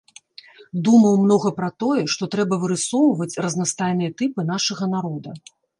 Думаў многа пра тое, што трэба вырысоўваць разнастайныя тыпы нашага народа.